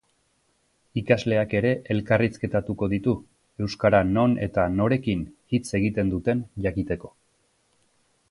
Ikasleak ere elkarrizketatuko ditu, euskara non eta norekin hitz egiten duten jakiteko.